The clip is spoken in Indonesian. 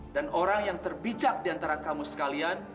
dan orang yang terbijak diantara kamu sekalian